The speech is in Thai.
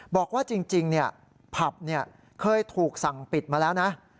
บอกว่าจริงผับเคยถูกสั่งปิดมาแล้วนะ